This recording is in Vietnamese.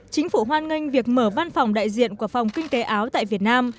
chính phủ hoan nghênh việc mở văn phòng đại diện của phòng kinh tế áo tại việt nam